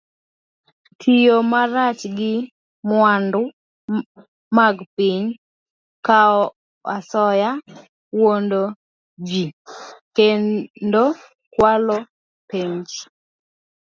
Tiyo marach gi mwandu mag piny, kawo asoya, wuondo ji, kendo kwalo penj